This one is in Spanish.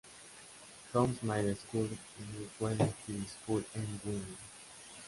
Holmes Middle School y Wheeling High School en Wheeling.